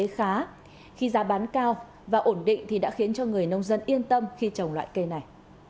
cây mắc ca là loại cây khá khi giá bán cao và ổn định thì đã khiến cho người nông dân yên tâm khi trồng loại cây này